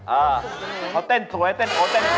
อ่าเขาเต้นสวยเต้นโอเต้น